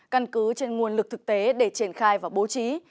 căn cứ trên nguồn lực thực tế để triển khai và bố trí